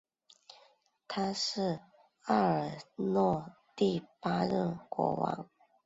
他是亚尔诺第八任国王。